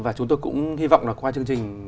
và chúng tôi cũng hy vọng là qua chương trình